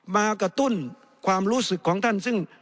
มากระตุ้นความรู้สึกของท่านซึ่ง